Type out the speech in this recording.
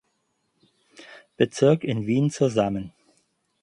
Bezirk in Wien zusammen.